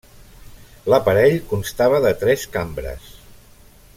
L'aparell constava de tres cambres.